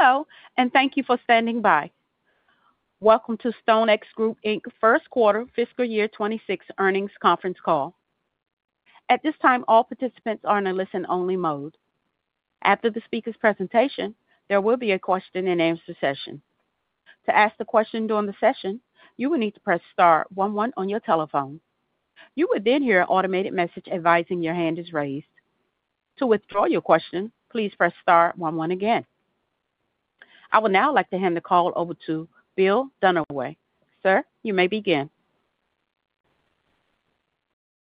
Hello, and thank you for standing by. Welcome to StoneX Group Inc. first quarter, fiscal year 2026 earnings conference call. At this time, all participants are in a listen-only mode. After the speaker's presentation, there will be a question-and-answer session. To ask the question during the session, you will need to press star 1 1 on your telephone. You will then hear an automated message advising your hand is raised. To withdraw your question, please press star 1 1 again. I would now like to hand the call over to Bill Dunaway. Sir, you may begin.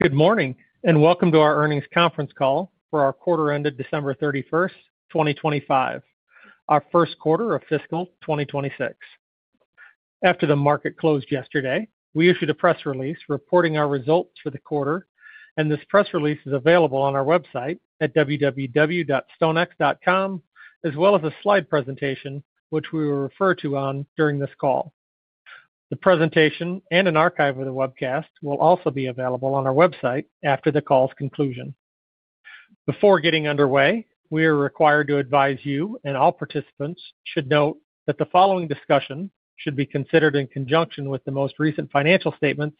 Good morning and welcome to our earnings conference call for our quarter-ended December 31st, 2025, our first quarter of fiscal 2026. After the market closed yesterday, we issued a press release reporting our results for the quarter, and this press release is available on our website at www.stonex.com as well as a slide presentation which we will refer to during this call. The presentation and an archive of the webcast will also be available on our website after the call's conclusion. Before getting underway, we are required to advise you and all participants should note that the following discussion should be considered in conjunction with the most recent financial statements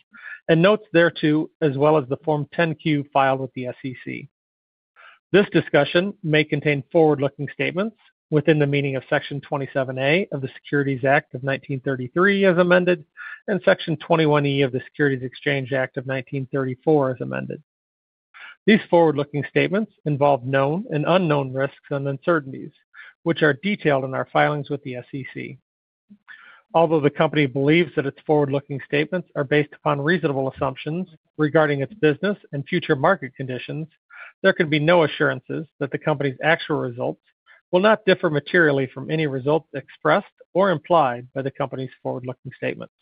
and notes thereto as well as the Form 10-Q filed with the SEC. This discussion may contain forward-looking statements within the meaning of Section 27A of the Securities Act of 1933 as amended and Section 21E of the Securities Exchange Act of 1934 as amended. These forward-looking statements involve known and unknown risks and uncertainties, which are detailed in our filings with the SEC. Although the company believes that its forward-looking statements are based upon reasonable assumptions regarding its business and future market conditions, there can be no assurances that the company's actual results will not differ materially from any results expressed or implied by the company's forward-looking statements.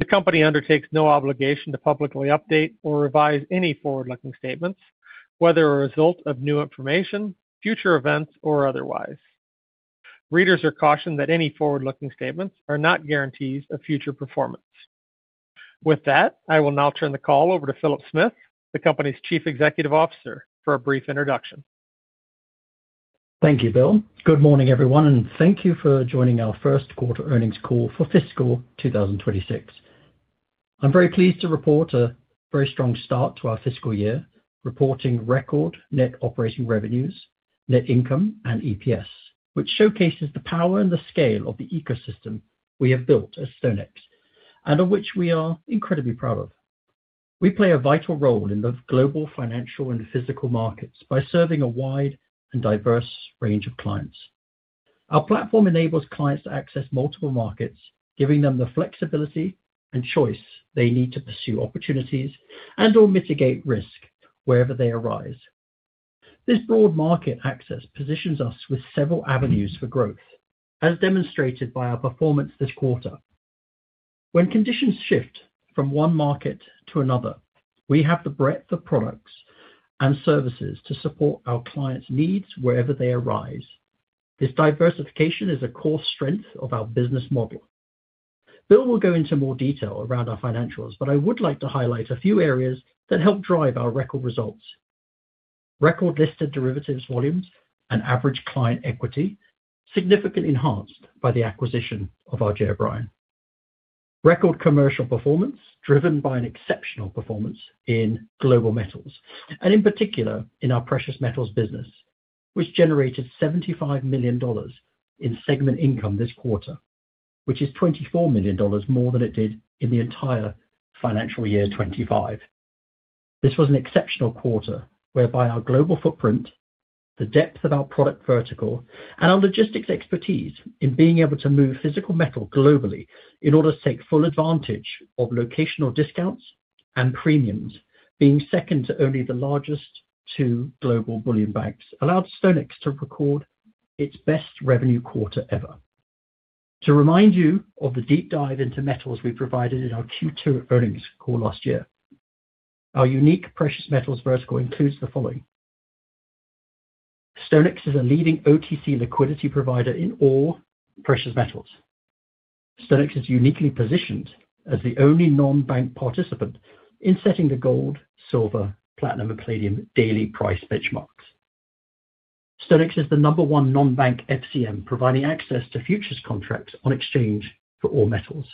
The company undertakes no obligation to publicly update or revise any forward-looking statements, whether a result of new information, future events, or otherwise. Readers are cautioned that any forward-looking statements are not guarantees of future performance. With that, I will now turn the call over to Philip Smith, the company's Chief Executive Officer, for a brief introduction. Thank you, Bill. Good morning, everyone, and thank you for joining our first quarter earnings call for fiscal 2026. I'm very pleased to report a very strong start to our fiscal year, reporting record net operating revenues, net income, and EPS, which showcases the power and the scale of the ecosystem we have built at StoneX and of which we are incredibly proud of. We play a vital role in the global financial and physical markets by serving a wide and diverse range of clients. Our platform enables clients to access multiple markets, giving them the flexibility and choice they need to pursue opportunities and/or mitigate risk wherever they arise. This broad market access positions us with several avenues for growth, as demonstrated by our performance this quarter. When conditions shift from one market to another, we have the breadth of products and services to support our clients' needs wherever they arise. This diversification is a core strength of our business model. Bill will go into more detail around our financials, but I would like to highlight a few areas that help drive our record results: record listed derivatives volumes and average client equity, significantly enhanced by the acquisition of R.J. O'Brien. Record commercial performance driven by an exceptional performance in global metals, and in particular in our precious metals business, which generated $75 million in segment income this quarter, which is $24 million more than it did in the entire financial year 2025. This was an exceptional quarter whereby our global footprint, the depth of our product vertical, and our logistics expertise in being able to move physical metal globally in order to take full advantage of locational discounts and premiums being second to only the largest two global bullion banks allowed StoneX to record its best revenue quarter ever. To remind you of the deep dive into metals we provided in our Q2 earnings call last year, our unique precious metals vertical includes the following: StoneX is a leading OTC liquidity provider in all precious metals. StoneX is uniquely positioned as the only non-bank participant in setting the gold, silver, platinum, and palladium daily price benchmarks. StoneX is the number one non-bank FCM providing access to futures contracts on exchange for all metals.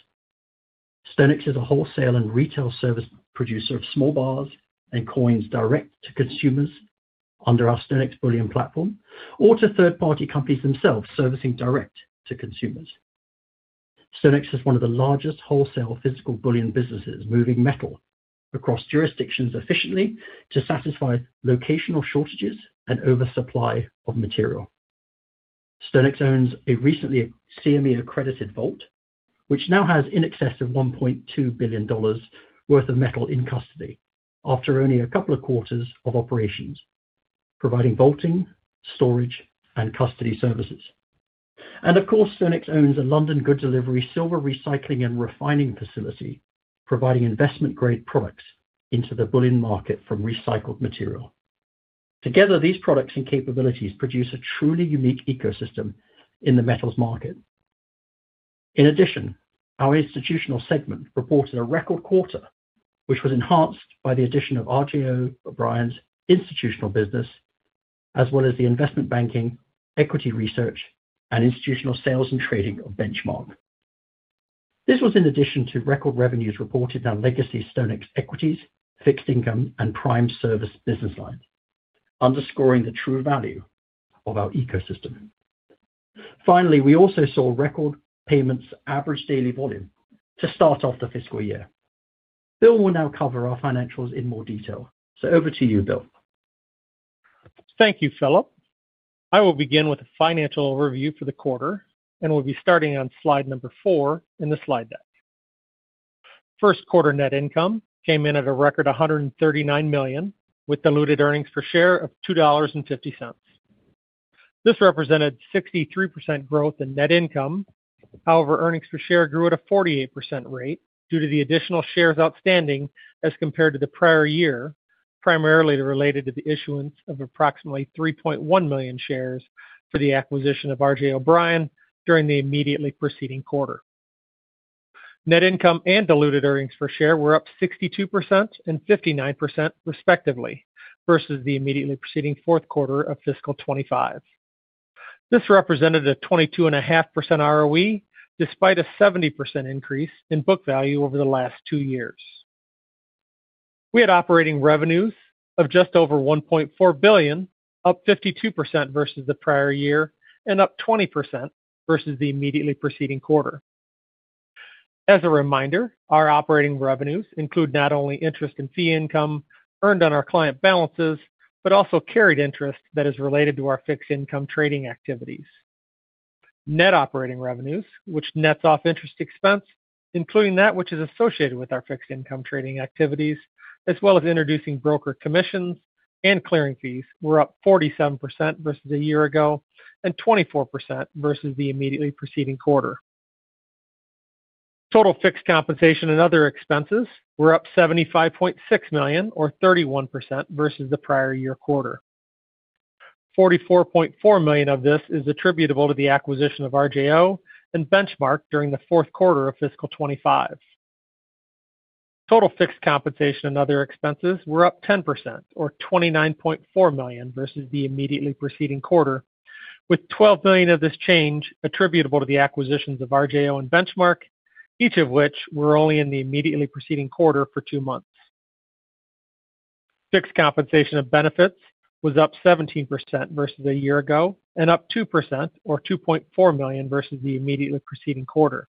StoneX is a wholesale and retail service producer of small bars and coins direct to consumers under our StoneX Bullion platform or to third-party companies themselves servicing direct to consumers. StoneX is one of the largest wholesale physical bullion businesses moving metal across jurisdictions efficiently to satisfy locational shortages and oversupply of material. StoneX owns a recently CME-accredited vault, which now has in excess of $1.2 billion worth of metal in custody after only a couple of quarters of operations, providing vaulting, storage, and custody services. Of course, StoneX owns a London Good Delivery silver recycling and refining facility providing investment-grade products into the bullion market from recycled material. Together, these products and capabilities produce a truly unique ecosystem in the metals market. In addition, our institutional segment reported a record quarter, which was enhanced by the addition of R.J. O'Brien's institutional business as well as the investment banking, equity research, and institutional sales and trading Benchmark. This was in addition to record revenues reported on legacy StoneX equities, fixed income, and prime service business lines, underscoring the true value of our ecosystem. Finally, we also saw record payments average daily volume to start off the fiscal year. Bill will now cover our financials in more detail. So over to you, Bill. Thank you, Philip. I will begin with a financial overview for the quarter and will be starting on slide 4 in the slide deck. First quarter net income came in at a record $139 million with diluted earnings per share of $2.50. This represented 63% growth in net income. However, earnings per share grew at a 48% rate due to the additional shares outstanding as compared to the prior year, primarily related to the issuance of approximately 3.1 million shares for the acquisition of R.J. O'Brien during the immediately preceding quarter. Net income and diluted earnings per share were up 62% and 59% respectively versus the immediately preceding fourth quarter of fiscal 2025. This represented a 22.5% ROE despite a 70% increase in book value over the last 2 years. We had operating revenues of just over $1.4 billion, up 52% versus the prior year and up 20% versus the immediately preceding quarter. As a reminder, our operating revenues include not only interest and fee income earned on our client balances but also carried interest that is related to our fixed income trading activities. Net operating revenues, which nets off interest expense, including that which is associated with our fixed income trading activities as well as introducing broker commissions and clearing fees, were up 47% versus a year ago and 24% versus the immediately preceding quarter. Total fixed compensation and other expenses were up $75.6 million or 31% versus the prior year quarter. $44.4 million of this is attributable to the acquisition of RJO and Benchmark during the fourth quarter of fiscal 2025. Total fixed compensation and other expenses were up 10% or $29.4 million versus the immediately preceding quarter, with $12 million of this change attributable to the acquisitions of RJO and Benchmark, each of which were only in the immediately preceding quarter for 2 months. Fixed compensation and benefits was up 17% versus a year ago and up 2% or $2.4 million versus the immediately preceding quarter.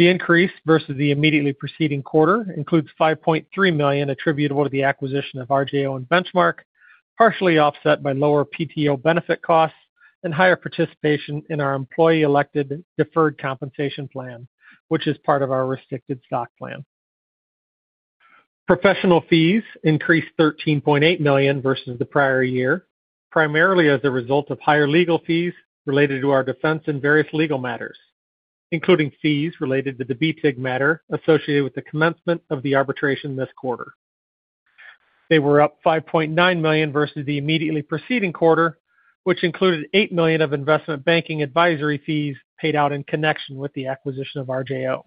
The increase versus the immediately preceding quarter includes $5.3 million attributable to the acquisition of RJO and Benchmark, partially offset by lower PTO benefit costs and higher participation in our employee-elected deferred compensation plan, which is part of our restricted stock plan. Professional fees increased $13.8 million versus the prior year, primarily as a result of higher legal fees related to our defense in various legal matters, including fees related to the BTIG matter associated with the commencement of the arbitration this quarter. They were up $5.9 million versus the immediately preceding quarter, which included $8 million of investment banking advisory fees paid out in connection with the acquisition of RJO.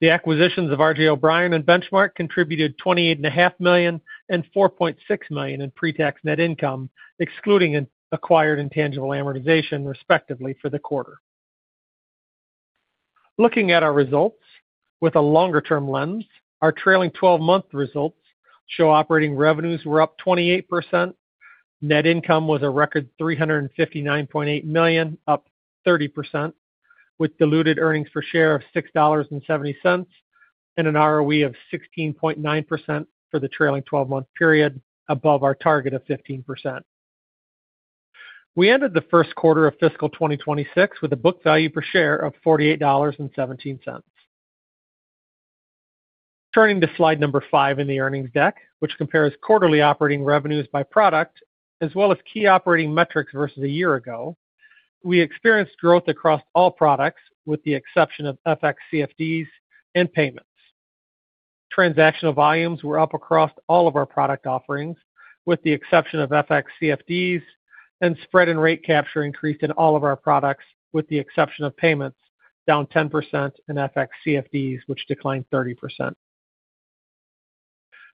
The acquisitions of R.J. O'Brien and Benchmark contributed $28.5 million and $4.6 million in pre-tax net income, excluding acquired intangible amortization respectively for the quarter. Looking at our results with a longer-term lens, our trailing 12-month results show operating revenues were up 28%. Net income was a record $359.8 million, up 30%, with diluted earnings per share of $6.70 and an ROE of 16.9% for the trailing 12-month period, above our target of 15%. We ended the first quarter of fiscal 2026 with a book value per share of $48.17. Turning to slide 5 in the earnings deck, which compares quarterly operating revenues by product as well as key operating metrics versus a year ago, we experienced growth across all products with the exception of FX CFDs and payments. Transactional volumes were up across all of our product offerings with the exception of FX CFDs, and spread and rate capture increased in all of our products with the exception of payments, down 10%, and FX CFDs, which declined 30%.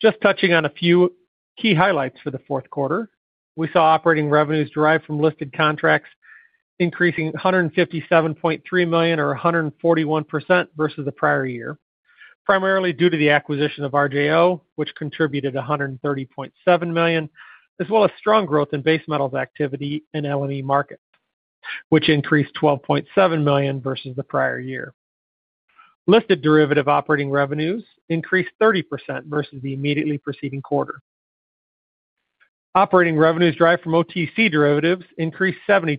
Just touching on a few key highlights for the fourth quarter, we saw operating revenues derived from listed contracts increasing $157.3 million or 141% versus the prior year, primarily due to the acquisition of RJO, which contributed $130.7 million, as well as strong growth in base metals activity and LME markets, which increased $12.7 million versus the prior year. Listed derivative operating revenues increased 30% versus the immediately preceding quarter. Operating revenues derived from OTC derivatives increased 72%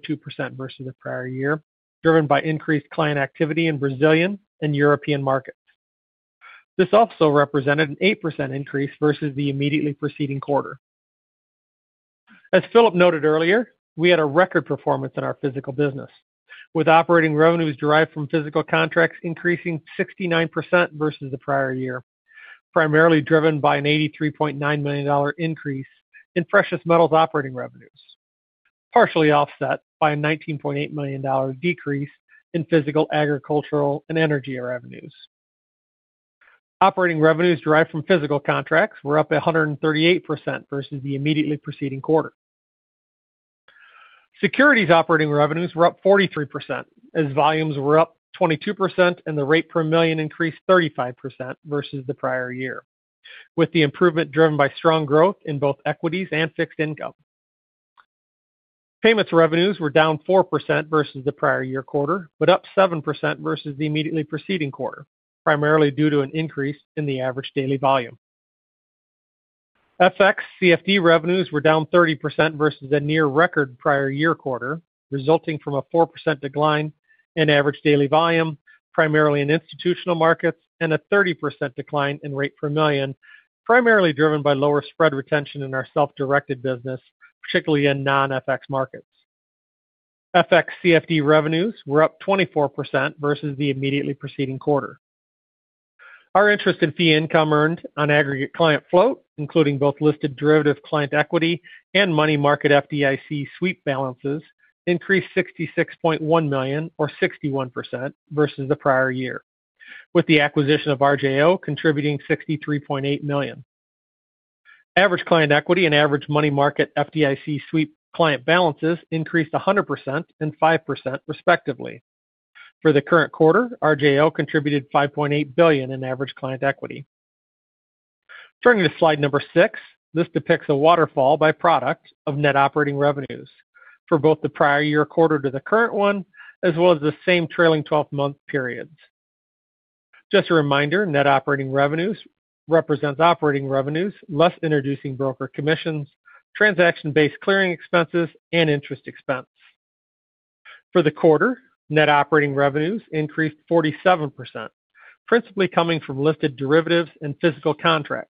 versus the prior year, driven by increased client activity in Brazilian and European markets. This also represented an 8% increase versus the immediately preceding quarter. As Philip noted earlier, we had a record performance in our physical business, with operating revenues derived from physical contracts increasing 69% versus the prior year, primarily driven by an $83.9 million increase in precious metals operating revenues, partially offset by a $19.8 million decrease in physical, agricultural, and energy revenues. Operating revenues derived from physical contracts were up 138% versus the immediately preceding quarter. Securities operating revenues were up 43% as volumes were up 22%, and the rate per million increased 35% versus the prior year, with the improvement driven by strong growth in both equities and fixed income. Payments revenues were down 4% versus the prior year quarter but up 7% versus the immediately preceding quarter, primarily due to an increase in the average daily volume. FX CFD revenues were down 30% versus a near-record prior year quarter, resulting from a 4% decline in average daily volume, primarily in institutional markets, and a 30% decline in rate per million, primarily driven by lower spread retention in our self-directed business, particularly in non-FX markets. FX CFD revenues were up 24% versus the immediately preceding quarter. Our interest and fee income earned on aggregate client float, including both listed derivative client equity and money market FDIC sweep balances, increased $66.1 million or 61% versus the prior year, with the acquisition of RJO contributing $63.8 million. Average client equity and average money market FDIC sweep client balances increased 100% and 5% respectively. For the current quarter, RJO contributed $5.8 billion in average client equity. Turning to slide number 6, this depicts a waterfall by product of net operating revenues for both the prior year quarter to the current one as well as the same trailing 12-month periods. Just a reminder, net operating revenues represents operating revenues less introducing broker commissions, transaction-based clearing expenses, and interest expense. For the quarter, net operating revenues increased 47%, principally coming from listed derivatives and physical contracts,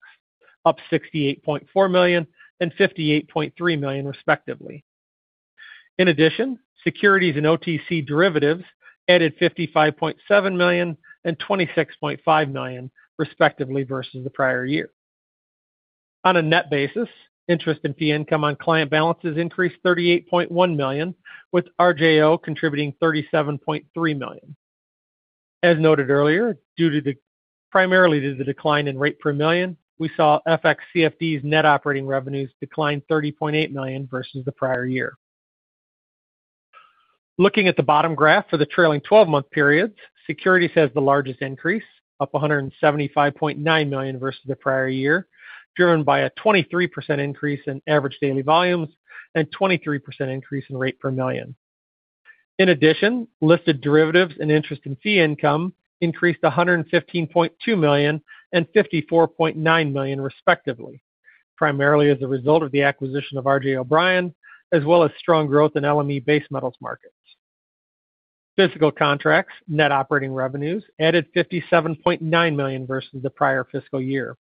up $68.4 million and $58.3 million respectively. In addition, securities and OTC derivatives added $55.7 million and $26.5 million respectively versus the prior year. On a net basis, interest and fee income on client balances increased $38.1 million, with RJO contributing $37.3 million. As noted earlier, primarily due to the decline in rate per million, we saw FX CFDs net operating revenues decline $30.8 million versus the prior year. Looking at the bottom graph for the trailing 12-month periods, securities has the largest increase, up $175.9 million versus the prior year, driven by a 23% increase in average daily volumes and 23% increase in rate per million. In addition, listed derivatives and interest and fee income increased $115.2 million and $54.9 million respectively, primarily as a result of the acquisition of R.J. O'Brien as well as strong growth in LME base metals markets. Physical contracts net operating revenues added $57.9 million versus the prior fiscal year,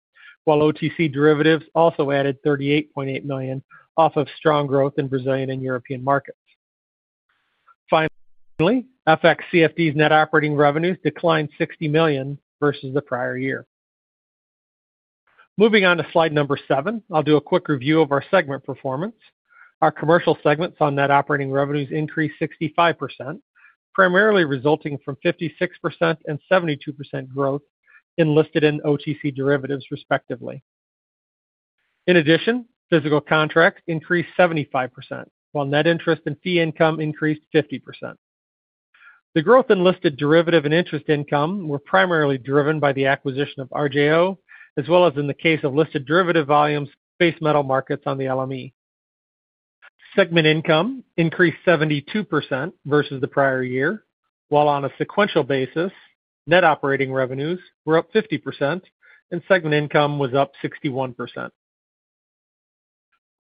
while OTC derivatives also added $38.8 million off of strong growth in Brazilian and European markets. Finally, FX CFDs net operating revenues declined $60 million versus the prior year. Moving on to slide number seven, I'll do a quick review of our segment performance. Our commercial segment's net operating revenues increased 65%, primarily resulting from 56% and 72% growth in listed and OTC derivatives respectively. In addition, physical contracts increased 75%, while net interest and fee income increased 50%. The growth in listed derivative and interest income were primarily driven by the acquisition of RJO as well as in the case of listed derivative volumes, base metal markets on the LME. Segment income increased 72% versus the prior year, while on a sequential basis, net operating revenues were up 50% and segment income was up 61%.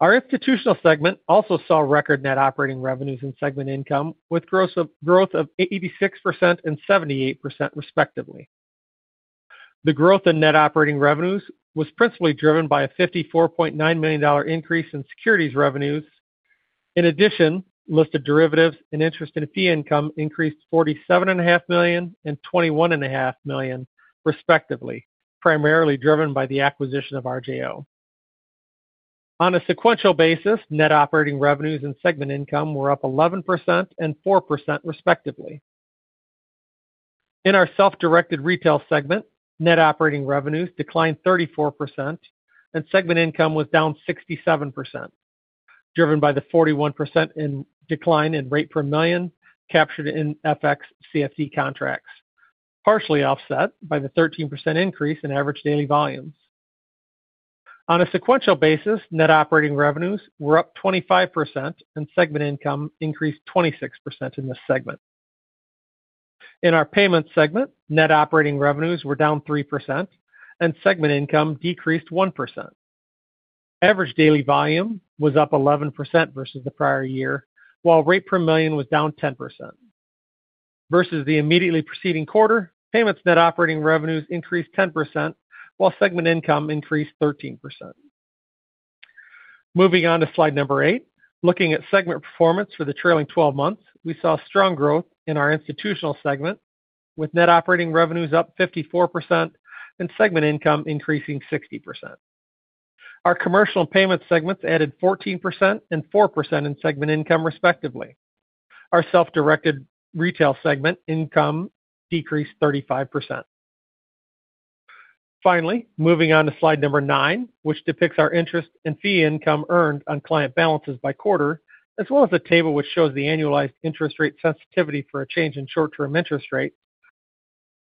Our institutional segment also saw record net operating revenues and segment income with growth of 86% and 78% respectively. The growth in net operating revenues was principally driven by a $54.9 million increase in securities revenues. In addition, listed derivatives and interest and fee income increased $47.5 million and $21.5 million respectively, primarily driven by the acquisition of RJO. On a sequential basis, net operating revenues and segment income were up 11% and 4% respectively. In our self-directed retail segment, net operating revenues declined 34% and segment income was down 67%, driven by the 41% decline in rate per million captured in FX CFD contracts, partially offset by the 13% increase in average daily volumes. On a sequential basis, net operating revenues were up 25% and segment income increased 26% in this segment. In our payments segment, net operating revenues were down 3% and segment income decreased 1%. Average daily volume was up 11% versus the prior year, while rate per million was down 10%. Versus the immediately preceding quarter, payments net operating revenues increased 10% while segment income increased 13%. Moving on to slide 8, looking at segment performance for the trailing 12 months, we saw strong growth in our institutional segment with net operating revenues up 54% and segment income increasing 60%. Our commercial payments segments added 14% and 4% in segment income respectively. Our self-directed retail segment income decreased 35%. Finally, moving on to slide 9, which depicts our interest and fee income earned on client balances by quarter, as well as a table which shows the annualized interest rate sensitivity for a change in short-term interest rates.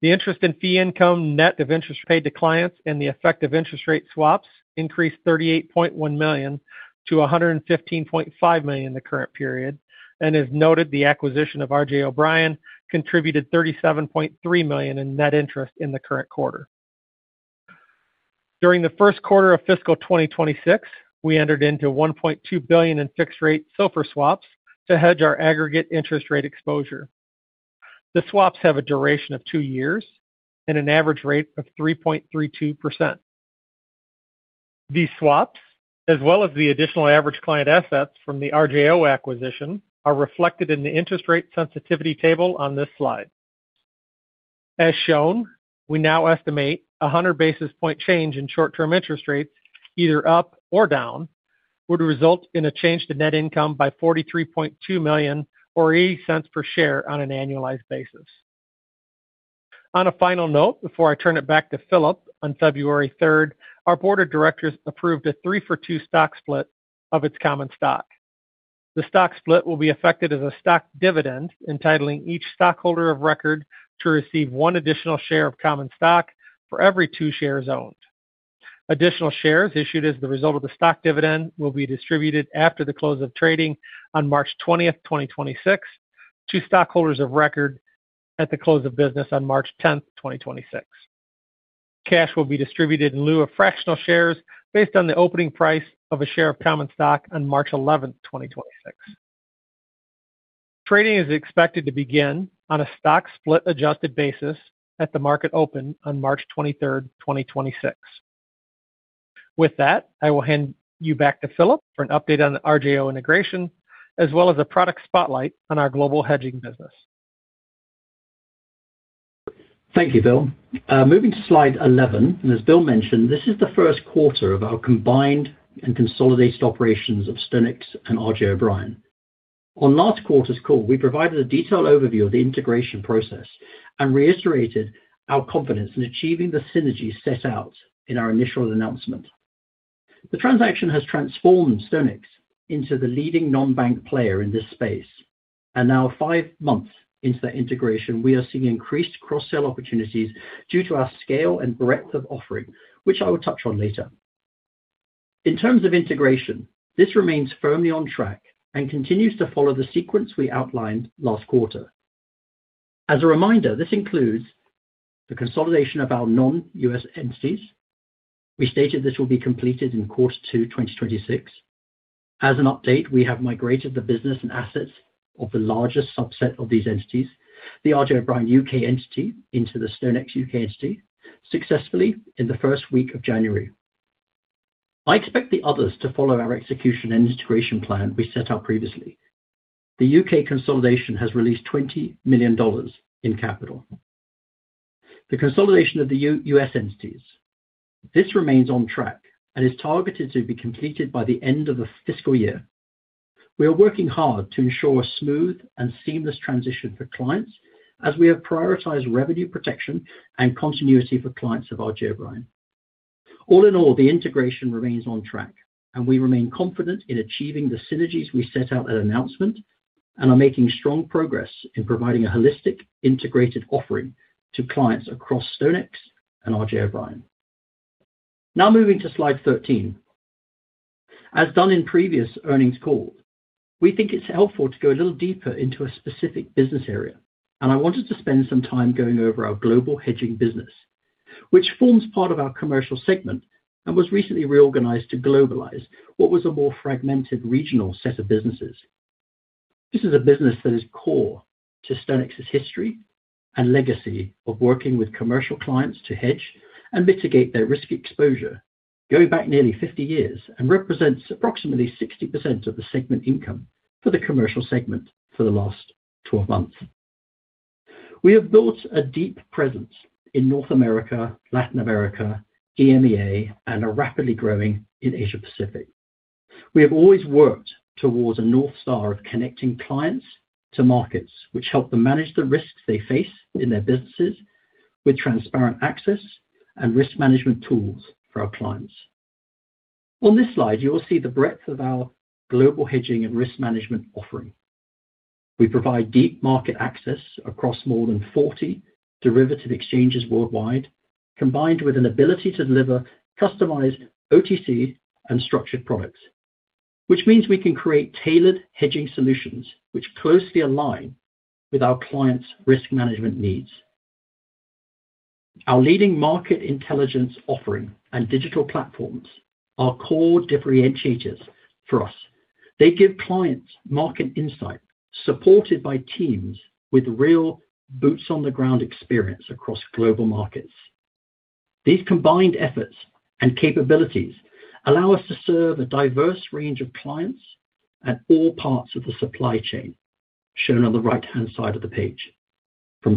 The interest and fee income net of interest paid to clients and the effective interest rate swaps increased $38.1 million to $115.5 million in the current period. And as noted, the acquisition of R.J. O'Brien contributed $37.3 million in net interest in the current quarter. During the first quarter of fiscal 2026, we entered into $1.2 billion in fixed rate SOFR swaps to hedge our aggregate interest rate exposure. The swaps have a duration of two years and an average rate of 3.32%. These swaps, as well as the additional average client assets from the RJO acquisition, are reflected in the interest rate sensitivity table on this slide. As shown, we now estimate 100 basis point change in short-term interest rates, either up or down, would result in a change to net income by $43.2 million or $0.80 per share on an annualized basis. On a final note, before I turn it back to Philip, on February 3rd, our board of directors approved a 3-for-2 stock split of its common stock. The stock split will be effected as a stock dividend entitling each stockholder of record to receive one additional share of common stock for every two shares owned. Additional shares issued as the result of the stock dividend will be distributed after the close of trading on March 20th, 2026, to stockholders of record at the close of business on March 10th, 2026. Cash will be distributed in lieu of fractional shares based on the opening price of a share of common stock on March 11th, 2026. Trading is expected to begin on a stock split-adjusted basis at the market open on March 23rd, 2026. With that, I will hand you back to Philip for an update on the RJO integration as well as a product spotlight on our global hedging business. Thank you, Bill. Moving to slide 11, and as Bill mentioned, this is the first quarter of our combined and consolidated operations of StoneX and R.J. O'Brien. On last quarter's call, we provided a detailed overview of the integration process and reiterated our confidence in achieving the synergy set out in our initial announcement. The transaction has transformed StoneX into the leading non-bank player in this space. And now, five months into that integration, we are seeing increased cross-sell opportunities due to our scale and breadth of offering, which I will touch on later. In terms of integration, this remains firmly on track and continues to follow the sequence we outlined last quarter. As a reminder, this includes the consolidation of our non-U.S. entities. We stated this will be completed in quarter two, 2026. As an update, we have migrated the business and assets of the largest subset of these entities, the R.J. O'Brien U.K. entity, into the StoneX U.K. entity successfully in the first week of January. I expect the others to follow our execution and integration plan we set out previously. The U.K. consolidation has released $20 million in capital. The consolidation of the U.S. entities remains on track and is targeted to be completed by the end of the fiscal year. We are working hard to ensure a smooth and seamless transition for clients as we have prioritized revenue protection and continuity for clients of R.J. O'Brien. All in all, the integration remains on track, and we remain confident in achieving the synergies we set out at announcement and are making strong progress in providing a holistic, integrated offering to clients across StoneX and R.J. O'Brien. Now moving to slide 13. As done in previous earnings calls, we think it's helpful to go a little deeper into a specific business area. I wanted to spend some time going over our global hedging business, which forms part of our commercial segment and was recently reorganized to globalize what was a more fragmented regional set of businesses. This is a business that is core to StoneX's history and legacy of working with commercial clients to hedge and mitigate their risk exposure, going back nearly 50 years and represents approximately 60% of the segment income for the commercial segment for the last 12 months. We have built a deep presence in North America, Latin America, EMEA, and are rapidly growing in Asia-Pacific. We have always worked towards a North Star of connecting clients to markets, which help them manage the risks they face in their businesses with transparent access and risk management tools for our clients. On this slide, you will see the breadth of our global hedging and risk management offering. We provide deep market access across more than 40 derivative exchanges worldwide, combined with an ability to deliver customized OTC and structured products, which means we can create tailored hedging solutions which closely align with our clients' risk management needs. Our leading market intelligence offering and digital platforms are core differentiators for us. They give clients market insight supported by teams with real boots-on-the-ground experience across global markets. These combined efforts and capabilities allow us to serve a diverse range of clients at all parts of the supply chain, shown on the right-hand side of the page, from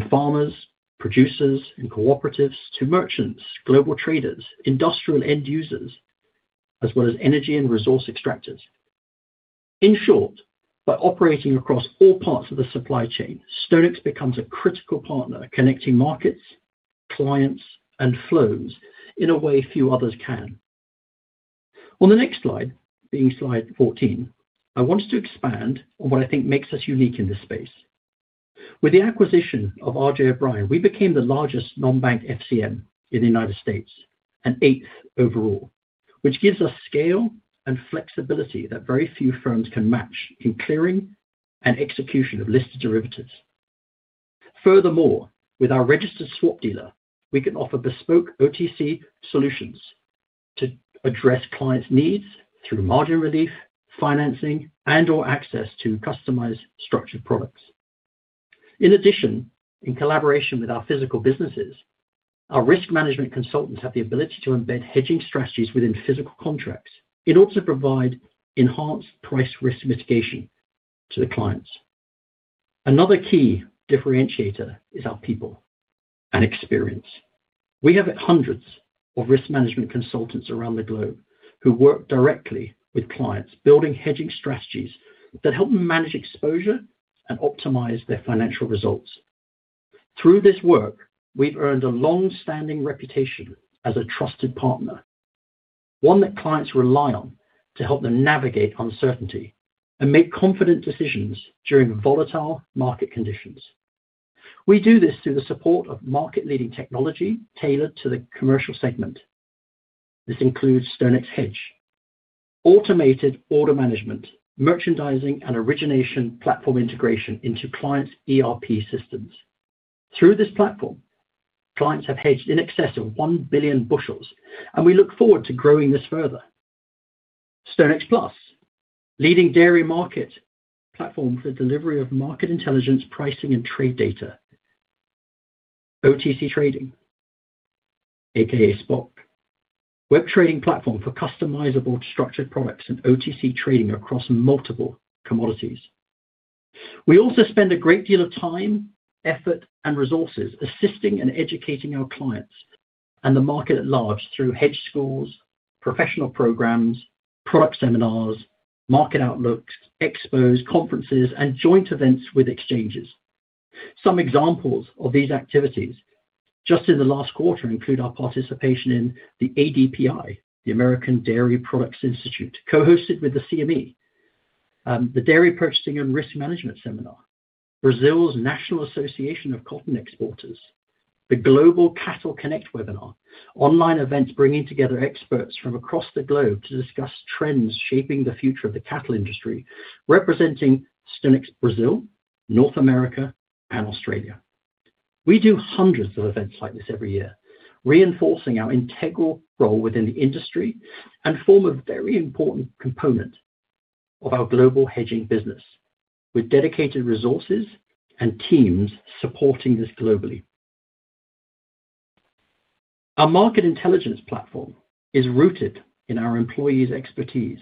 farmers, producers, and cooperatives to merchants, global traders, industrial end users, as well as energy and resource extractors. In short, by operating across all parts of the supply chain, StoneX becomes a critical partner connecting markets, clients, and flows in a way few others can. On the next slide, being slide 14, I wanted to expand on what I think makes us unique in this space. With the acquisition of R.J. O'Brien, we became the largest non-bank FCM in the United States, and eighth overall, which gives us scale and flexibility that very few firms can match in clearing and execution of listed derivatives. Furthermore, with our registered swap dealer, we can offer bespoke OTC solutions to address clients' needs through margin relief, financing, and/or access to customized structured products. In addition, in collaboration with our physical businesses, our risk management consultants have the ability to embed hedging strategies within physical contracts in order to provide enhanced price risk mitigation to the clients. Another key differentiator is our people and experience. We have hundreds of risk management consultants around the globe who work directly with clients, building hedging strategies that help them manage exposure and optimize their financial results. Through this work, we've earned a long-standing reputation as a trusted partner, one that clients rely on to help them navigate uncertainty and make confident decisions during volatile market conditions. We do this through the support of market-leading technology tailored to the commercial segment. This includes StoneX Hedge, automated order management, merchandising, and origination platform integration into clients' ERP systems. Through this platform, clients have hedged in excess of 1 billion bushels, and we look forward to growing this further. StoneX Plus, leading dairy market platform for the delivery of market intelligence, pricing, and trade data. OTC trading, aka SPOC, web trading platform for customizable structured products and OTC trading across multiple commodities. We also spend a great deal of time, effort, and resources assisting and educating our clients and the market at large through hedge schools, professional programs, product seminars, market outlooks, expos, conferences, and joint events with exchanges. Some examples of these activities just in the last quarter include our participation in the ADPI, the American Dairy Products Institute, co-hosted with the CME, the Dairy Purchasing and Risk Management Seminar, Brazil's National Association of Cotton Exporters, the Global Cattle Connect webinar, online events bringing together experts from across the globe to discuss trends shaping the future of the cattle industry, representing StoneX Brazil, North America, and Australia. We do hundreds of events like this every year, reinforcing our integral role within the industry and form a very important component of our global hedging business with dedicated resources and teams supporting this globally. Our market intelligence platform is rooted in our employees' expertise,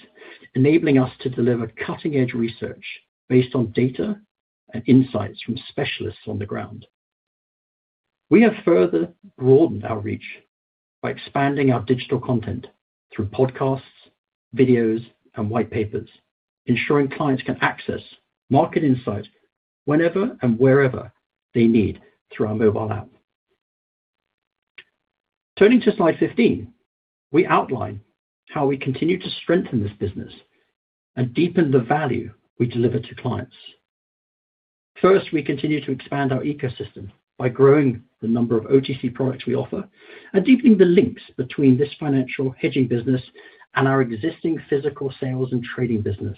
enabling us to deliver cutting-edge research based on data and insights from specialists on the ground. We have further broadened our reach by expanding our digital content through podcasts, videos, and white papers, ensuring clients can access market insight whenever and wherever they need through our mobile app. Turning to slide 15, we outline how we continue to strengthen this business and deepen the value we deliver to clients. First, we continue to expand our ecosystem by growing the number of OTC products we offer and deepening the links between this financial hedging business and our existing physical sales and trading business.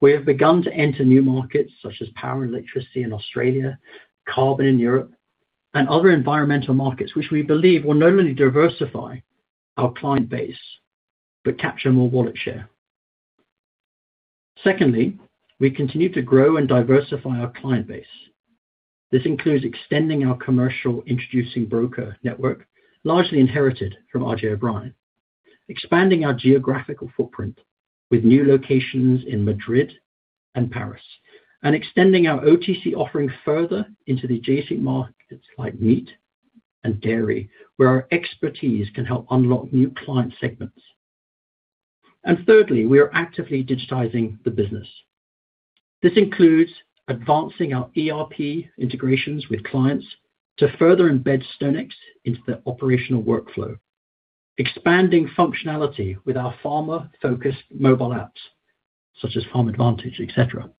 We have begun to enter new markets such as power and electricity in Australia, carbon in Europe, and other environmental markets, which we believe will not only diversify our client base but capture more wallet share. Secondly, we continue to grow and diversify our client base. This includes extending our commercial introducing broker network, largely inherited from R.J. O'Brien, expanding our geographical footprint with new locations in Madrid and Paris, and extending our OTC offering further into the adjacent markets like meat and dairy, where our expertise can help unlock new client segments. And thirdly, we are actively digitizing the business. This includes advancing our ERP integrations with clients to further embed StoneX into their operational workflow, expanding functionality with our farmer-focused mobile apps such as Farm Advantage, etc.,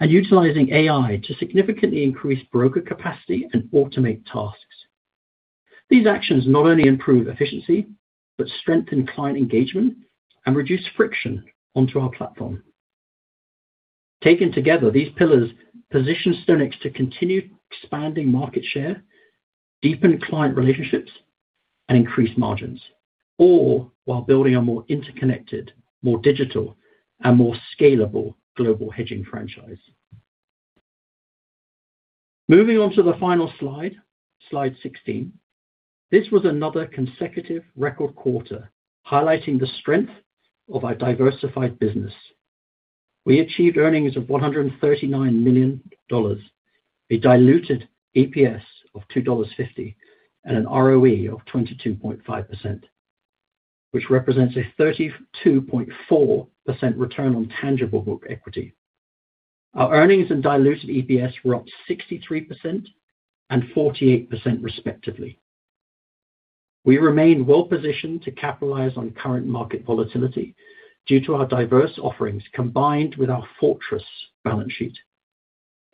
and utilizing AI to significantly increase broker capacity and automate tasks. These actions not only improve efficiency but strengthen client engagement and reduce friction onto our platform. Taken together, these pillars position StoneX to continue expanding market share, deepen client relationships, and increase margins, all while building a more interconnected, more digital, and more scalable global hedging franchise. Moving on to the final slide, slide 16. This was another consecutive record quarter highlighting the strength of our diversified business. We achieved earnings of $139 million, a diluted EPS of $2.50, and an ROE of 22.5%, which represents a 32.4% return on tangible book equity. Our earnings and diluted EPS were up 63% and 48% respectively. We remain well-positioned to capitalize on current market volatility due to our diverse offerings combined with our fortress balance sheet.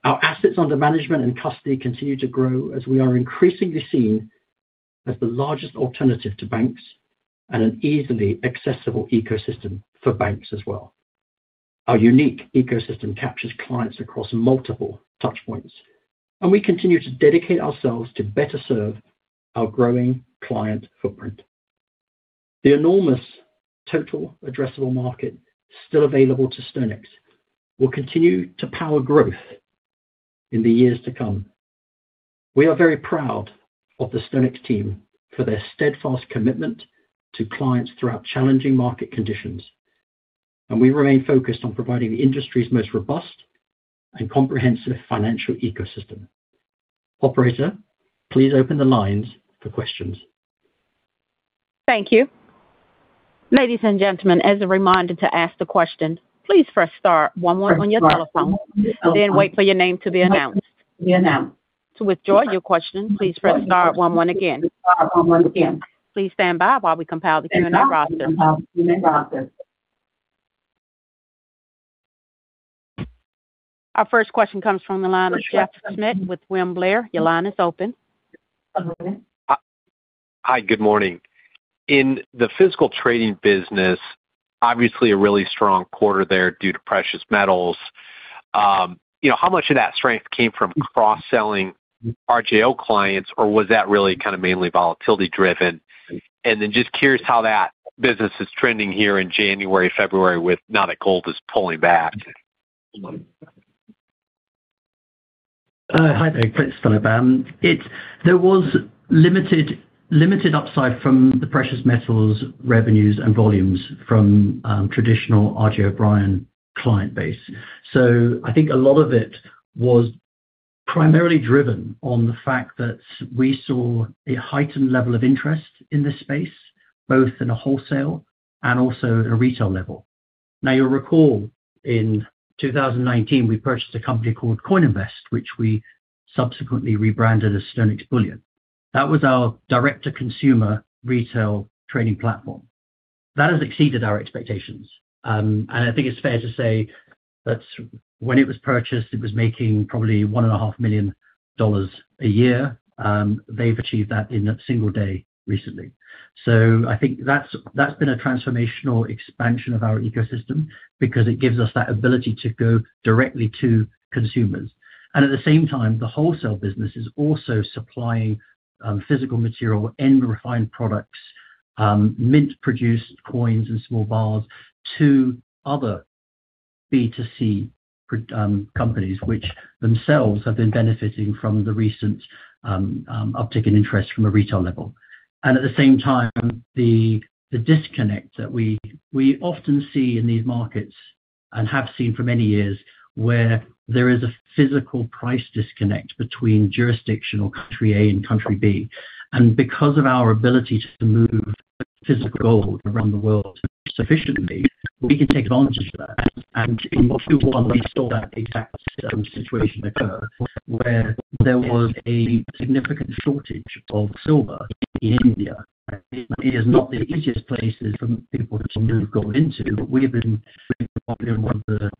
Our assets under management and custody continue to grow as we are increasingly seen as the largest alternative to banks and an easily accessible ecosystem for banks as well. Our unique ecosystem captures clients across multiple touchpoints, and we continue to dedicate ourselves to better serve our growing client footprint. The enormous total addressable market still available to StoneX will continue to power growth in the years to come. We are very proud of the StoneX team for their steadfast commitment to clients throughout challenging market conditions, and we remain focused on providing the industry's most robust and comprehensive financial ecosystem. Operator, please open the lines for questions. Thank you. Ladies and gentlemen, as a reminder to ask the question, please press star one-one on your telephone, then wait for your name to be announced. To withdraw your question, please press star one-one again. Please stand by while we compile the Q&A roster. Our first question comes from the line of Jeff Schmitt with William Blair. Your line is open. Hi. Good morning. In the physical trading business, obviously a really strong quarter there due to precious metals. How much of that strength came from cross-selling RJO clients, or was that really kind of mainly volatility-driven? And then just curious how that business is trending here in January, February with gold not at all-time highs pulling back. Hi. This is Philip. There was limited upside from the precious metals revenues and volumes from traditional R.J. O'Brien client base. So I think a lot of it was primarily driven on the fact that we saw a heightened level of interest in this space, both in a wholesale and also in a retail level. Now, you'll recall in 2019, we purchased a company called Coininvest, which we subsequently rebranded as StoneX Bullion. That was our direct-to-consumer retail trading platform. That has exceeded our expectations. And I think it's fair to say that when it was purchased, it was making probably $1.5 million a year. They've achieved that in a single day recently. So I think that's been a transformational expansion of our ecosystem because it gives us that ability to go directly to consumers. And at the same time, the wholesale business is also supplying physical material and refined products, mint-produced coins and small bars, to other B2C companies, which themselves have been benefiting from the recent uptick in interest from a retail level. At the same time, the disconnect that we often see in these markets and have seen for many years where there is a physical price disconnect between jurisdictional country A and country B. Because of our ability to move physical gold around the world sufficiently, we can take advantage of that. In 2001, we saw that exact situation occur where there was a significant shortage of silver in India. India is not the easiest places for people to move gold into, but we have been probably one of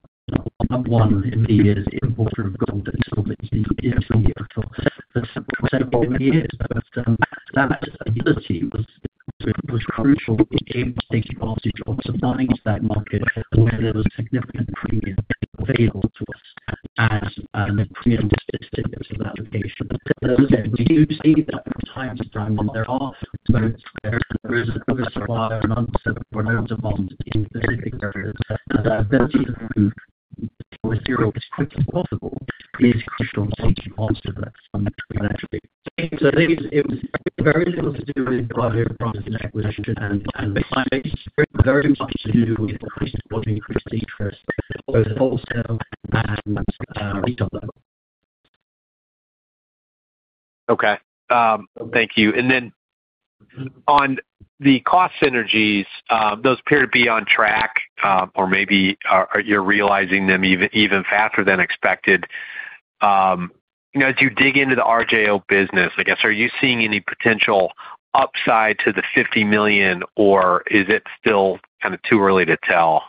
the number one in India's importer of gold and silver in India for several years. But that ability was crucial in taking advantage of supplying to that market where there was significant premium available to us and premium distributors of that location. We do see that from time to time when there are shocks, there is an oversupply and unmet demand in specific areas. That ability to move material as quickly as possible is crucial in taking advantage of that fundamental inevitability. It was very little to do with private promises and acquisition and claims. Very much to do with the increased interest, both wholesale and retail level. Okay. Thank you. And then on the cost synergies, those appear to be on track, or maybe you're realizing them even faster than expected. As you dig into the RJO business, I guess, are you seeing any potential upside to the $50 million, or is it still kind of too early to tell?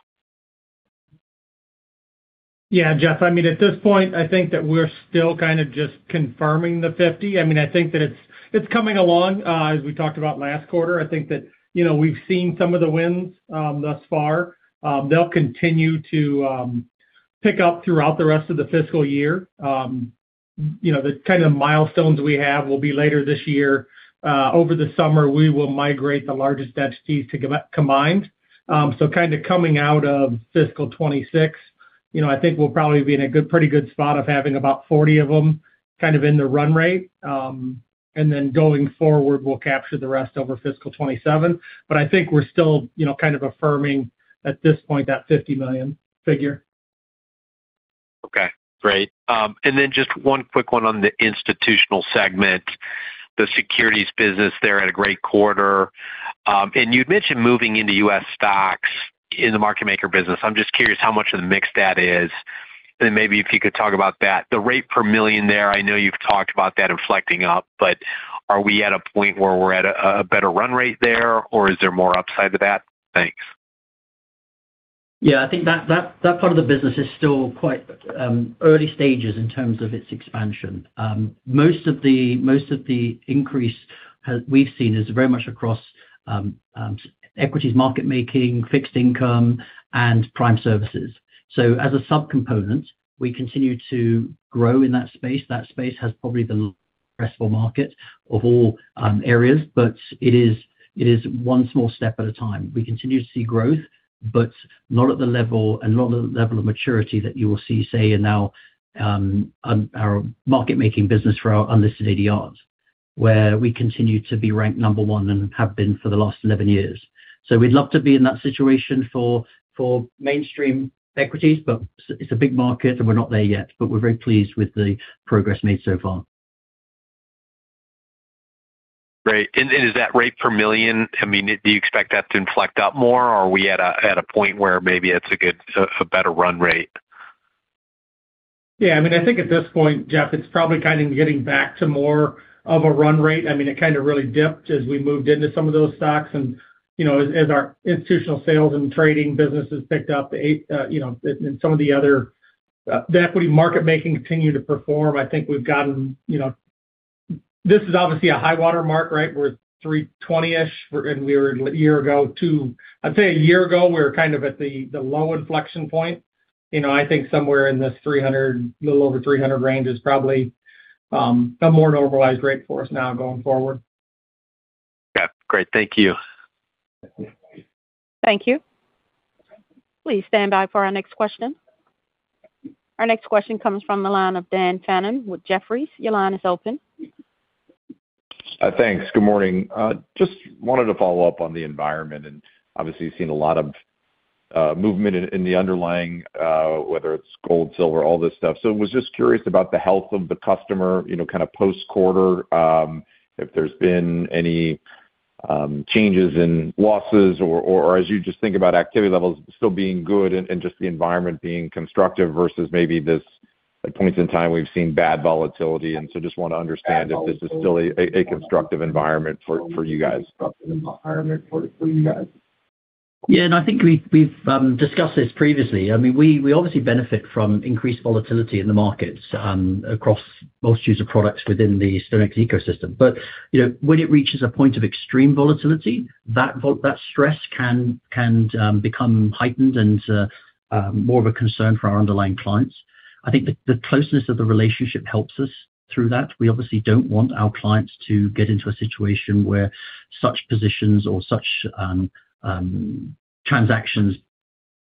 Yeah, Jeff. I mean, at this point, I think that we're still kind of just confirming the 50. I mean, I think that it's coming along as we talked about last quarter. I think that we've seen some of the wins thus far. They'll continue to pick up throughout the rest of the fiscal year. The kind of milestones we have will be later this year. Over the summer, we will migrate the largest entities to combined. So kind of coming out of fiscal 2026, I think we'll probably be in a pretty good spot of having about 40 of them kind of in the run rate. And then going forward, we'll capture the rest over fiscal 2027. But I think we're still kind of affirming at this point that $50 million figure. Okay. Great. Then just one quick one on the institutional segment. The securities business there had a great quarter. You'd mentioned moving into U.S. stocks in the market maker business. I'm just curious how much of the mix that is. Then maybe if you could talk about that. The rate per million there, I know you've talked about that inflecting up, but are we at a point where we're at a better run rate there, or is there more upside to that? Thanks. Yeah. I think that part of the business is still quite early stages in terms of its expansion. Most of the increase we've seen is very much across equities, market making, fixed income, and prime services. So as a subcomponent, we continue to grow in that space. That space has probably the least formal market of all areas, but it is one small step at a time. We continue to see growth, but not at the level and not at the level of maturity that you will see, say, in now our market making business for our unlisted ADRs, where we continue to be ranked number one and have been for the last 11 years. So we'd love to be in that situation for mainstream equities, but it's a big market, and we're not there yet. But we're very pleased with the progress made so far. Great. And is that rate per million? I mean, do you expect that to inflect up more, or are we at a point where maybe it's a better run rate? Yeah. I mean, I think at this point, Jeff, it's probably kind of getting back to more of a run rate. I mean, it kind of really dipped as we moved into some of those stocks. And as our institutional sales and trading businesses picked up and some of the other the equity market making continued to perform, I think we've gotten this is obviously a high watermark, right? We're 320-ish, and we were a year ago to I'd say a year ago, we were kind of at the low inflection point. I think somewhere in this 300, a little over 300 range is probably a more normalized rate for us now going forward. Okay. Great. Thank you. Thank you. Please stand by for our next question. Our next question comes from the line of Dan Fannon with Jefferies. Your line is open. Thanks. Good morning. Just wanted to follow up on the environment. And obviously, you've seen a lot of movement in the underlying, whether it's gold, silver, all this stuff. So I was just curious about the health of the customer kind of post-quarter, if there's been any changes in losses or as you just think about activity levels still being good and just the environment being constructive versus maybe this at points in time we've seen bad volatility. And so just want to understand if this is still a constructive environment for you guys. Yeah. I think we've discussed this previously. I mean, we obviously benefit from increased volatility in the markets across most user products within the StoneX ecosystem. But when it reaches a point of extreme volatility, that stress can become heightened and more of a concern for our underlying clients. I think the closeness of the relationship helps us through that. We obviously don't want our clients to get into a situation where such positions or such transactions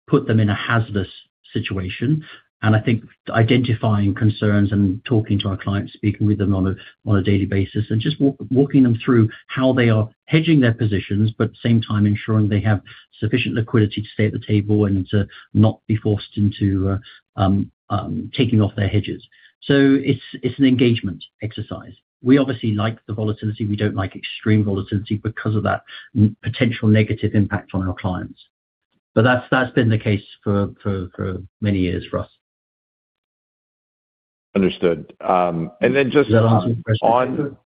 put them in a hazardous situation. I think identifying concerns and talking to our clients, speaking with them on a daily basis, and just walking them through how they are hedging their positions, but at the same time, ensuring they have sufficient liquidity to stay at the table and to not be forced into taking off their hedges. It's an engagement exercise. We obviously like the volatility. We don't like extreme volatility because of that potential negative impact on our clients. But that's been the case for many years for us. Understood. Then just on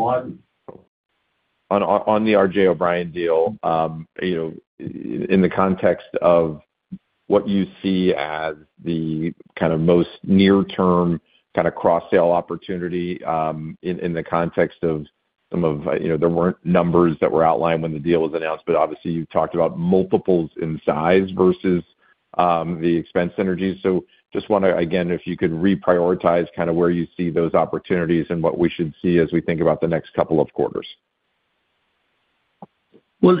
the R.J. O'Brien deal, in the context of what you see as the kind of most near-term kind of cross-sale opportunity in the context of some of the there weren't numbers that were outlined when the deal was announced, but obviously, you've talked about multiples in size versus the expense synergies. So just want to, again, if you could reprioritize kind of where you see those opportunities and what we should see as we think about the next couple of quarters. Well,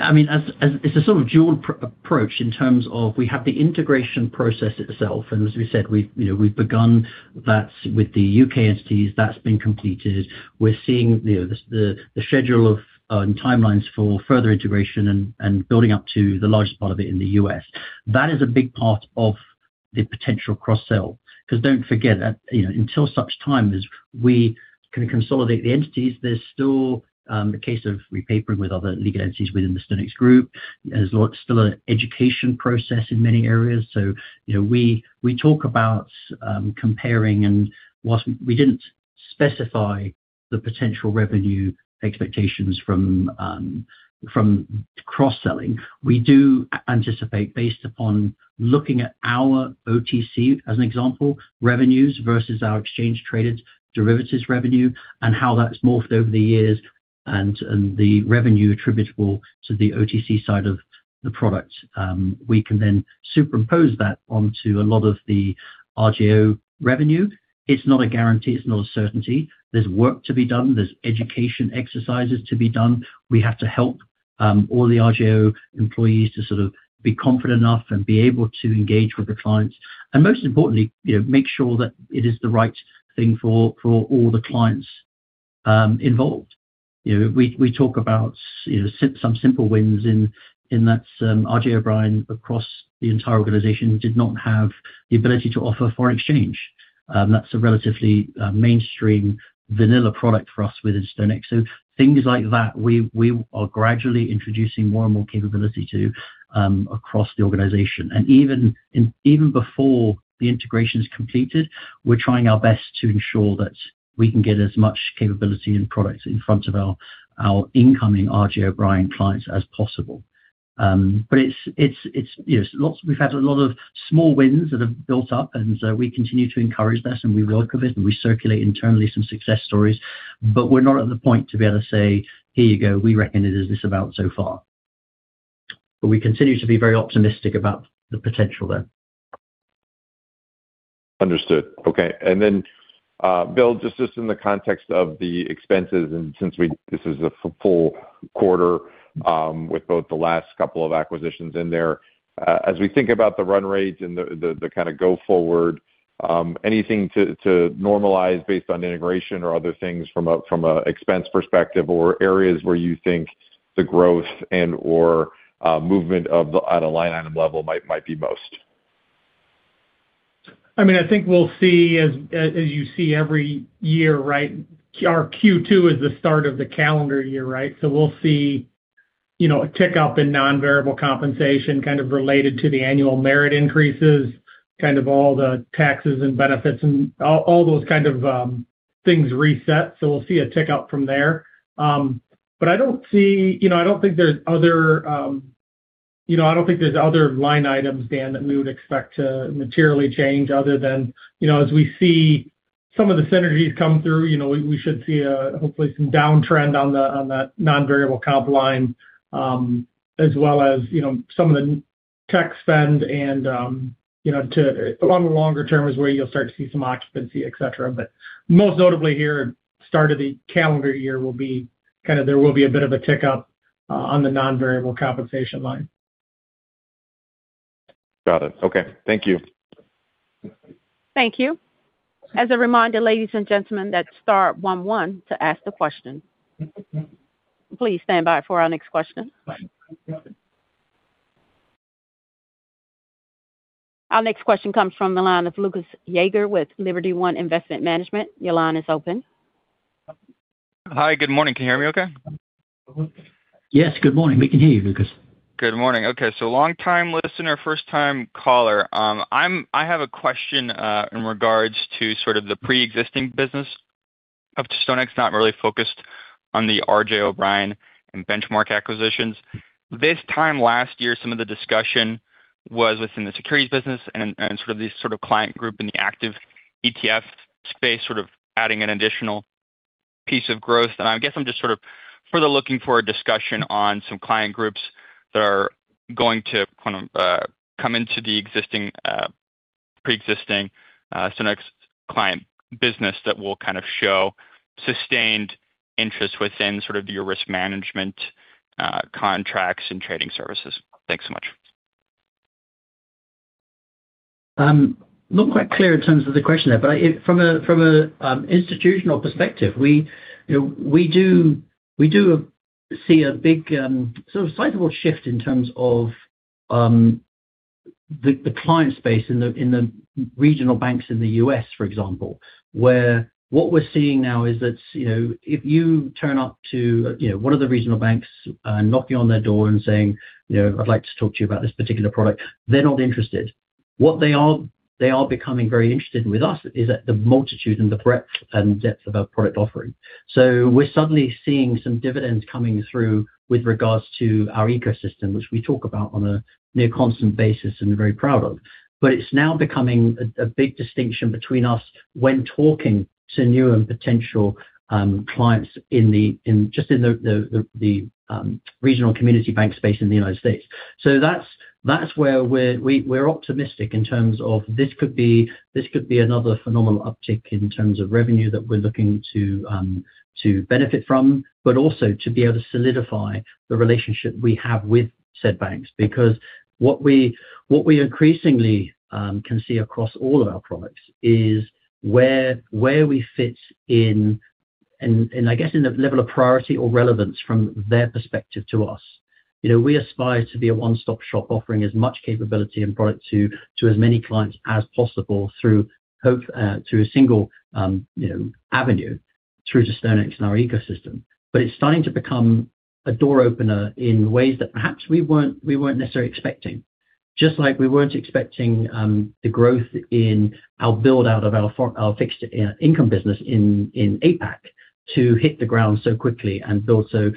I mean, it's a sort of dual approach in terms of we have the integration process itself. And as we said, we've begun that with the U.K. entities. That's been completed. We're seeing the schedule and timelines for further integration and building up to the largest part of it in the U.S. That is a big part of the potential cross-sale. Because don't forget, until such time as we kind of consolidate the entities, there's still a case of repapering with other legal entities within the StoneX Group. There's still an education process in many areas. So we talk about comparing, and while we didn't specify the potential revenue expectations from cross-selling, we do anticipate based upon looking at our OTC, as an example, revenues versus our exchange-traded derivatives revenue and how that's morphed over the years and the revenue attributable to the OTC side of the product. We can then superimpose that onto a lot of the RJO revenue. It's not a guarantee. It's not a certainty. There's work to be done. There's education exercises to be done. We have to help all the RJO employees to sort of be confident enough and be able to engage with the clients. And most importantly, make sure that it is the right thing for all the clients involved. We talk about some simple wins in that R.J. O'Brien across the entire organization did not have the ability to offer foreign exchange. That's a relatively mainstream vanilla product for us within StoneX. So things like that, we are gradually introducing more and more capability to across the organization. And even before the integration is completed, we're trying our best to ensure that we can get as much capability and products in front of our incoming R.J. O'Brien clients as possible. But it's lots we've had a lot of small wins that have built up, and we continue to encourage this, and we work with it, and we circulate internally some success stories. But we're not at the point to be able to say, "Here you go. We reckon it is this about so far." But we continue to be very optimistic about the potential there. Understood. Okay. And then, Bill, just in the context of the expenses and since this is a full quarter with both the last couple of acquisitions in there, as we think about the run rate and the kind of go-forward, anything to normalize based on integration or other things from an expense perspective or areas where you think the growth and/or movement at a line item level might be most? I mean, I think we'll see, as you see every year, right? Our Q2 is the start of the calendar year, right? So we'll see a tick-up in non-variable compensation kind of related to the annual merit increases, kind of all the taxes and benefits and all those kind of things reset. So we'll see a tick-up from there. But I don't think there's other line items, Dan, that we would expect to materially change other than as we see some of the synergies come through, we should see, hopefully, some downtrend on that non-variable comp line as well as some of the tech spend and on the longer term is where you'll start to see some occupancy, etc. But most notably here, start of the calendar year will be kind of there will be a bit of a tick-up on the non-variable compensation line. Got it. Okay. Thank you. Thank you. As a reminder, ladies and gentlemen, that's star 11 to ask the question. Please stand by for our next question. Our next question comes from the line of Lukas Jaeger with Liberty One Investment Management. Your line is open. Hi. Good morning. Can you hear me okay? Yes. Good morning. We can hear you, Lukas. Good morning. Okay. So longtime listener, first-time caller. I have a question in regards to sort of the pre-existing business of StoneX, not really focused on the R.J. O'Brien and Benchmark acquisitions. This time last year, some of the discussion was within the securities business and sort of this sort of client group in the active ETF space sort of adding an additional piece of growth. And I guess I'm just sort of further looking for a discussion on some client groups that are going to come into the pre-existing StoneX client business that will kind of show sustained interest within sort of your risk management contracts and trading services. Thanks so much. Not quite clear in terms of the question there, but from an institutional perspective, we do see a big sort of sizable shift in terms of the client space in the regional banks in the U.S., for example, where what we're seeing now is that if you turn up to one of the regional banks knocking on their door and saying, "I'd like to talk to you about this particular product," they're not interested. What they are becoming very interested in with us is at the multitude and the breadth and depth of our product offering. So we're suddenly seeing some dividends coming through with regards to our ecosystem, which we talk about on a near-constant basis and very proud of. But it's now becoming a big distinction between us when talking to new and potential clients just in the regional community bank space in the United States. So that's where we're optimistic in terms of this could be another phenomenal uptick in terms of revenue that we're looking to benefit from, but also to be able to solidify the relationship we have with said banks. Because what we increasingly can see across all of our products is where we fit in, and I guess, in the level of priority or relevance from their perspective to us. We aspire to be a one-stop shop offering as much capability and product to as many clients as possible through a single avenue through to StoneX and our ecosystem. But it's starting to become a door opener in ways that perhaps we weren't necessarily expecting, just like we weren't expecting the growth in our build-out of our fixed income business in APAC to hit the ground so quickly and build so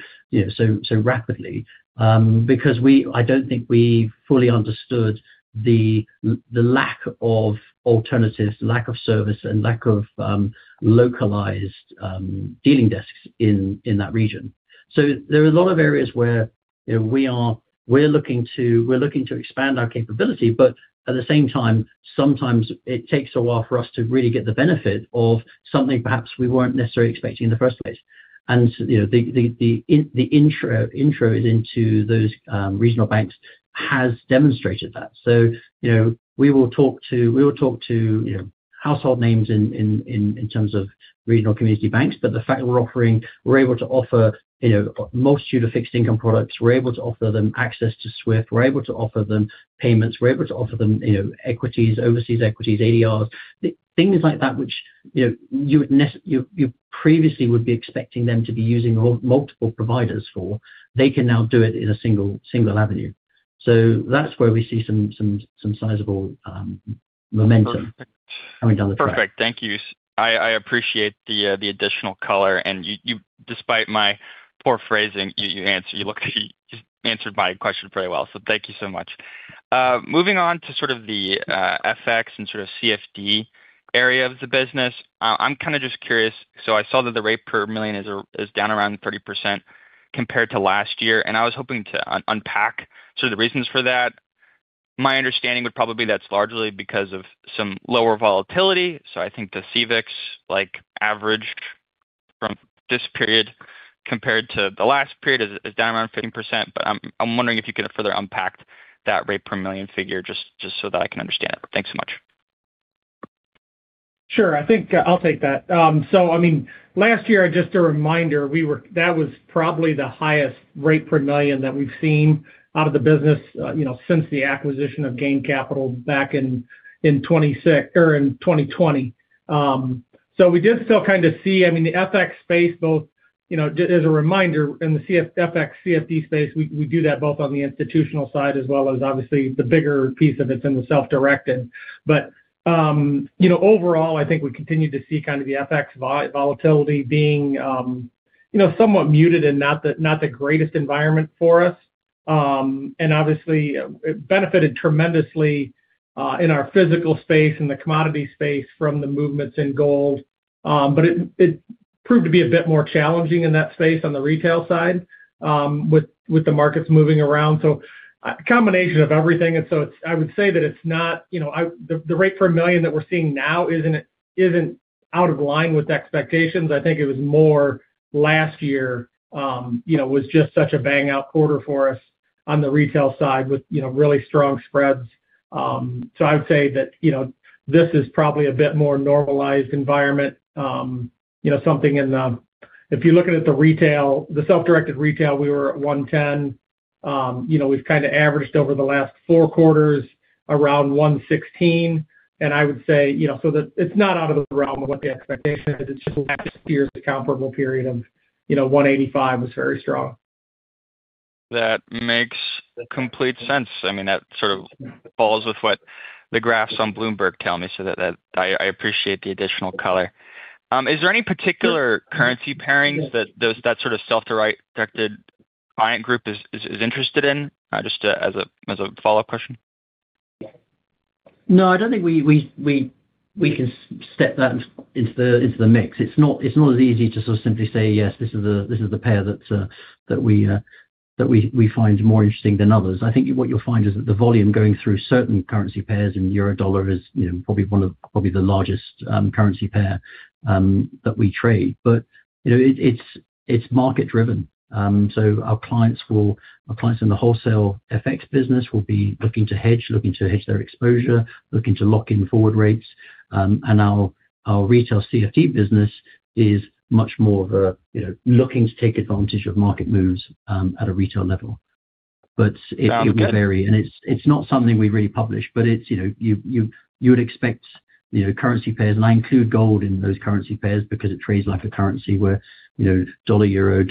rapidly. Because I don't think we fully understood the lack of alternatives, lack of service, and lack of localized dealing desks in that region. So there are a lot of areas where we're looking to expand our capability, but at the same time, sometimes it takes a while for us to really get the benefit of something perhaps we weren't necessarily expecting in the first place. And the introduction into those regional banks has demonstrated that. So we will talk to household names in terms of regional community banks, but the fact that we're able to offer a multitude of fixed income products, we're able to offer them access to SWIFT, we're able to offer them payments, we're able to offer them overseas equities, ADRs, things like that, which you previously would be expecting them to be using multiple providers for, they can now do it in a single avenue. So that's where we see some sizable momentum coming down the track. Perfect. Thank you. I appreciate the additional color. And despite my poor phrasing, you answered my question pretty well. So thank you so much. Moving on to sort of the FX and sort of CFD area of the business, I'm kind of just curious. So I saw that the rate per million is down around 30% compared to last year. And I was hoping to unpack sort of the reasons for that. My understanding would probably be that's largely because of some lower volatility. So I think the CVIX average from this period compared to the last period is down around 15%. But I'm wondering if you could further unpack that rate per million figure just so that I can understand it. Thanks so much. Sure. I think I'll take that. So I mean, last year, just a reminder, that was probably the highest rate per million that we've seen out of the business since the acquisition of Gain Capital back in 2020. So we did still kind of see I mean, the FX space, both as a reminder, in the FX CFD space, we do that both on the institutional side as well as obviously the bigger piece of it's in the self-directed. But overall, I think we continue to see kind of the FX volatility being somewhat muted and not the greatest environment for us. And obviously, it benefited tremendously in our physical space and the commodity space from the movements in gold. But it proved to be a bit more challenging in that space on the retail side with the markets moving around. So a combination of everything. So I would say that it's not the rate per million that we're seeing now isn't out of line with expectations. I think it was more last year was just such a bang-up quarter for us on the retail side with really strong spreads. So I would say that this is probably a bit more normalized environment, something in the, if you're looking at the self-directed retail, we were at 110. We've kind of averaged over the last four quarters around 116. And I would say so that it's not out of the realm of what the expectation is. It's just last year's comparable period of 185 was very strong. That makes complete sense. I mean, that sort of falls with what the graphs on Bloomberg tell me. So I appreciate the additional color. Is there any particular currency pairings that that sort of self-directed client group is interested in, just as a follow-up question? No, I don't think we can step that into the mix. It's not as easy to sort of simply say, "Yes, this is the pair that we find more interesting than others." I think what you'll find is that the volume going through certain currency pairs in Euro/Dollar is probably one of probably the largest currency pair that we trade. But it's market-driven. So our clients in the wholesale FX business will be looking to hedge, looking to hedge their exposure, looking to lock in forward rates. And our retail CFD business is much more of a looking to take advantage of market moves at a retail level. But it will vary. And it's not something we really publish, but you would expect currency pairs, and I include gold in those currency pairs because it trades like a currency where Dollar/Euro,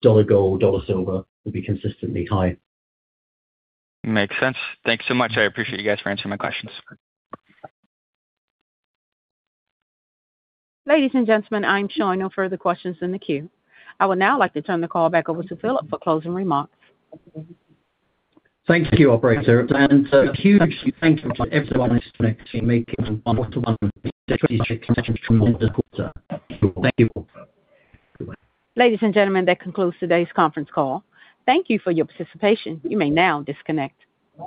Dollar/Gold, Dollar/Silver will be consistently high. Makes sense. Thanks so much. I appreciate you guys for answering my questions. Ladies and I show. no further questions in the queue. I would now like to turn the call back over to Philip for closing remarks. Thank you, operator. A huge thank you to everyone who's connected to make one-on-one strategic decisions from the quarter. Thank you all. Ladies and gentlemen, that concludes today's conference call. Thank you for your participation. You may now disconnect.